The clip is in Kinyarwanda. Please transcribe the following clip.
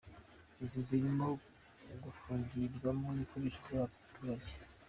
Inzu zirimo gufungiranwamo ibikoresho by’ abaturage.